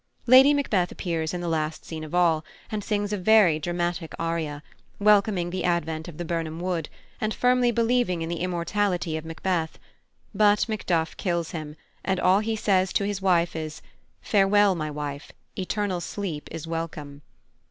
Lady Macbeth appears in the last scene of all, and sings a very dramatic aria, welcoming the advent of the Birnam Wood, and firmly believing in the immortality of Macbeth; but Macduff kills him, and all he says to his wife is "Farewell, my wife, Eternal sleep is welcome."